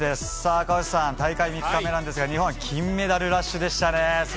赤星さん、大会３日目ですが日本は金メダルラッシュでしたね。